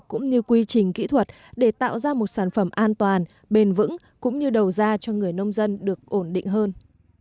cũng như quy trình kỹ thuật để tạo ra một sản phẩm an toàn bền vững cũng như đầu ra cho người nông dân được ổn định hơn